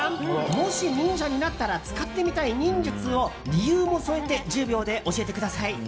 もし忍者になったら使ってみたい忍術を理由も添えて１０秒で教えてください。